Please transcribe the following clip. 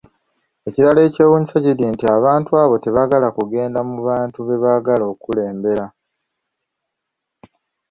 Ekirala ekyewuunyisa kiri nti abantu abo tebagala kugenda mu bantu bebaagala okukulembera.